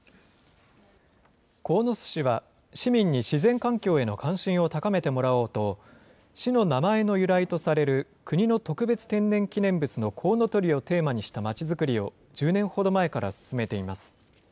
鴻巣市は、市民に自然環境への関心を高めてもらおうと、市の名前の由来とされる、国の特別天然記念物のコウノトリをテーマにしたまちづくりを１０年ほど前から進めています。